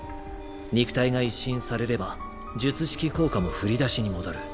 肉体が一新されれば術式効果も振り出しに戻る。